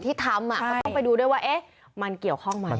ที่ทำอ่าก็ต้องไปดูด้วยว่าเอ๊ะมันเกี่ยวข้องไหมมัน